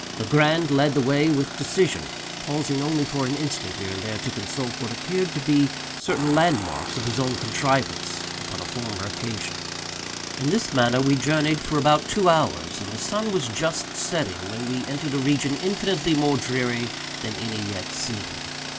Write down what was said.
Legrand led the way with decision; pausing only for an instant, here and there, to consult what appeared to be certain landmarks of his own contrivance upon a former occasion. In this manner we journeyed for about two hours, and the sun was just setting when we entered a region infinitely more dreary than any yet seen.